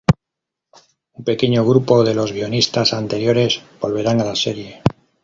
Un pequeño grupo de los guionistas anteriores volverán a la serie.